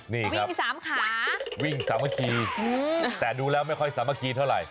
นี่วิ่งสามขาวิ่งสามัคคีแต่ดูแล้วไม่ค่อยสามัคคีเท่าไหร